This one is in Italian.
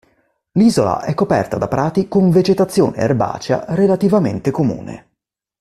L'isola è coperta da prati con vegetazione erbacea relativamente comune.